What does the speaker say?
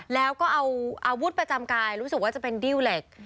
แล้วก็เอาอาวุธประจำกายรู้สึกว่าจะเป็นดิ้วเหล็ก